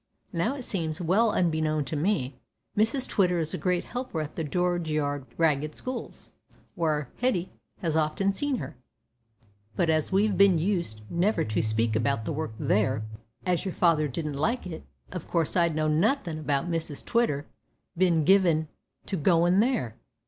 Now it seems, all unbeknown to me, Mrs Twitter is a great helper at the George Yard Ragged Schools, where our Hetty has often seen her; but as we've bin used never to speak about the work there, as your father didn't like it, of course I know'd nothin' about Mrs Twitter bein' given to goin' there.